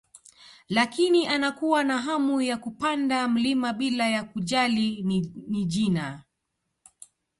Lakini anakuwa na hamu ya kupanda mlima bila ya kujali ni jina